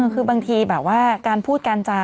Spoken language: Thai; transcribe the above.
คือบางทีแบบว่าการพูดการจา